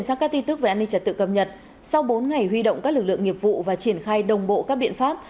sang các tin tức về an ninh trật tự cập nhật sau bốn ngày huy động các lực lượng nghiệp vụ và triển khai đồng bộ các biện pháp